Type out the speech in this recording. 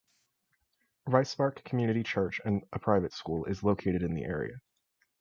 Rispark Community Church and a private school is located in the area.